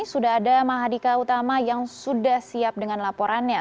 sudah ada mahadika utama yang sudah siap dengan laporannya